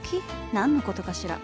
何のことかしら？